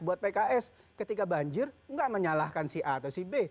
buat pks ketika banjir enggak menyalahkan si a atau si b